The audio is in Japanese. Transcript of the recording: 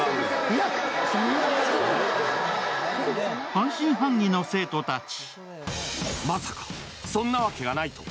半信半疑の生徒たち。